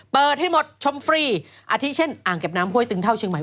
เปิดให้หมดชมฟรีอาทิเช่นอ่างเก็บน้ำห้วยตึงเท่าเชียงใหม่